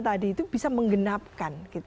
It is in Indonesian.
tadi itu bisa menggenapkan